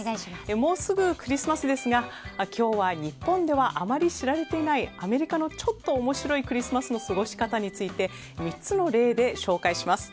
もうすぐクリスマスですが今日は日本ではあまり知られていないアメリカのちょっと面白いクリスマスの過ごし方について３つの例で紹介します。